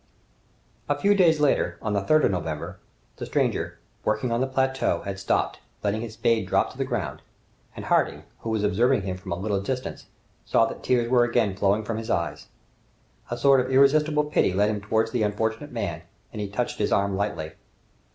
A few days later, on the 3rd of November, the stranger, working on the plateau, had stopped, letting his spade drop to the ground, and Harding, who was observing him from a little distance, saw that tears were again flowing from his eyes. A sort of irresistible pity led him towards the unfortunate man, and he touched his arm lightly.